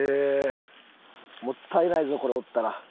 もったいないぞこれ折ったら。